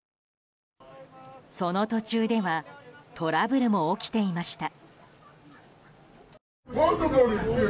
その途中ではトラブルも起きていました。